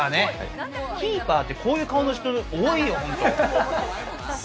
キーパーって、こういう顔の人多いよ、本当。